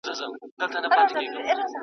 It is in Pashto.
لکه جوړه له ګوهرو له الماسه